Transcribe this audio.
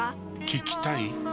聞きたい？